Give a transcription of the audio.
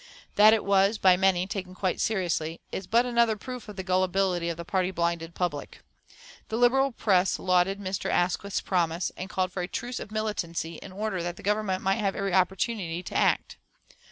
That it was, by many, taken quite seriously is but another proof of the gullibility of the party blinded public. The Liberal press lauded Mr. Asquith's "promise," and called for a truce of militancy in order that the Government might have every opportunity to act.